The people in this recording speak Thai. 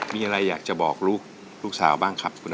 มีอะไรอยากจะบอกลูกสาวบ้างครับคุณ